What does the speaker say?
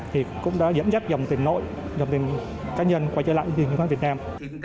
thì cũng đã dẫn dắt dòng tìm nội dòng tìm cá nhân quay trở lại với thị trường chứng khoán việt nam